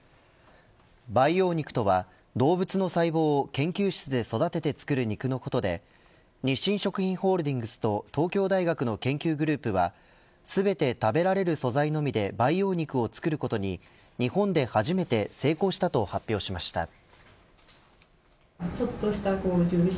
培養肉とは動物の細胞を研究室で育てて作る肉のことで日清食品ホールディングスと東京大学の研究グループは全て食べられる素材のみで培養肉を作ることに日本で初めて成功したと発表しました。